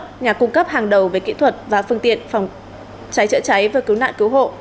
các nhà cung cấp hàng đầu về kỹ thuật và phương tiện phòng cháy chữa cháy và cứu nạn cứu hộ